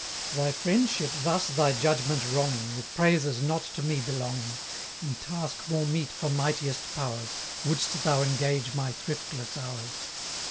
110 Thy friendship thus thy judgment wronging, With praises not to me belonging, In task more meet for mightiest powers, Wouldst thou engage my thriftless hours.